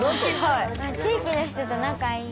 地域の人と仲いい。